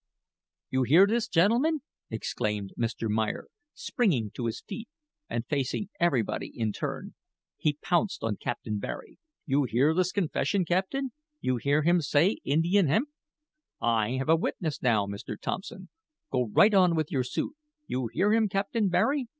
"You hear this, gentlemen," exclaimed Mr. Meyer, springing to his feet and facing everybody in turn. He pounced on Captain Barry. "You hear this confession, captain; you hear him say Indian hemp? I have a witness now, Mr. Thompson. Go right on with your suit. You hear him, Captain Barry.